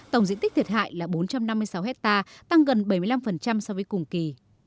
tổng diện tích thiệt hại là bốn trăm năm mươi sáu hectare tăng gần bảy mươi năm so với cùng kỳ